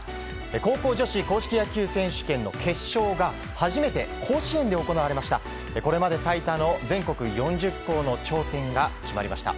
高校女子硬式野球選手権の決勝が初めて甲子園で行われました。